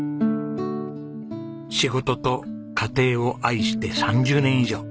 仕事と家庭を愛して３０年以上。